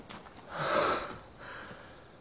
はあ。